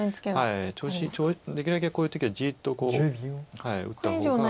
できるだけこういう時はじっと打ったほうが。